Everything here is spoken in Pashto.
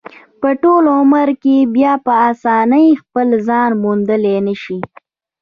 په ټول عمر کې بیا په اسانۍ خپل ځان موندلی نشي.